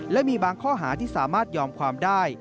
และมีบางข้อหาที่สามารถยอมความได้